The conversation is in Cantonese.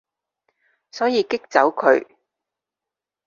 所以激走佢